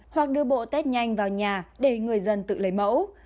hoặc đưa bộ test nhanh vào nhà để người dân tự lấy mẫu